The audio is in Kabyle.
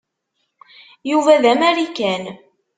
Yuba d amarikan.